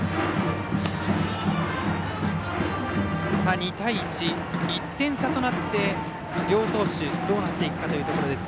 ２対１、１点差となって両投手、どうなっていくかというところですが。